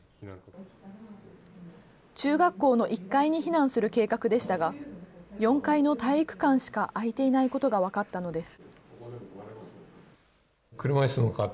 中学校の１階に避難する計画でしたが、４階の体育館しかあいていないことが分かったのです。